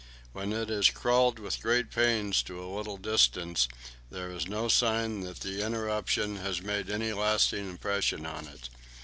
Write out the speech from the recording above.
When it has crawled with great pains to a little distance, there is no sign that the interruption has made any lasting impression on it.